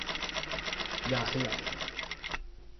อย่าขยับ